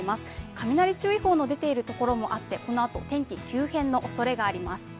雷注意報の出ているところもあってこのあと天気急変のおそれがあります。